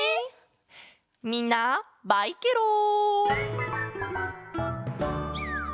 みんなバイケロン！